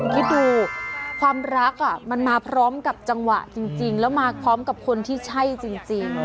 คิดดูความรักมันมาพร้อมกับจังหวะจริงแล้วมาพร้อมกับคนที่ใช่จริง